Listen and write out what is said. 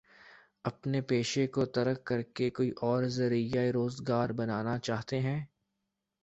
اپنے پیشے کو ترک کر کے کوئی اور ذریعہ روزگار بنانا چاہتے ہیں؟